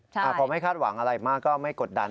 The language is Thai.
พอไม่คาดหวังอะไรมากก็ไม่กดดัน